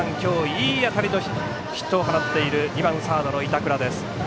いい当たりのヒットを放っている２番サードの板倉です。